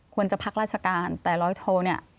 ควรจะพักราชการแต่รอยโทเนี่ย